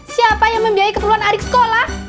siapa yang membiayai keperluan adik sekolah